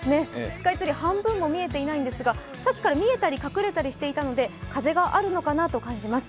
スカイツリー半分も見えていないんですが、さっきから見えたり隠れていたりしているので風があるのかなと思っています。